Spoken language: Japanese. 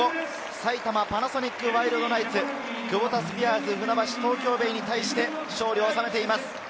埼玉パナソニックワイルドナイツ、クボタスピアーズ船橋・東京ベイに対して、勝利を収めています。